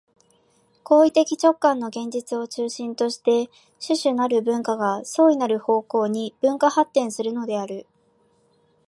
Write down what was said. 行為的直観の現実を中心として種々なる文化が相異なる方向に分化発展するのである。